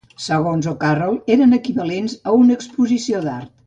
Segons O'Carroll, eren equivalents a una exposició d'art.